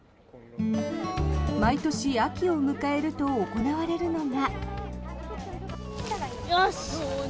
毎年、秋を迎えると行われるのが。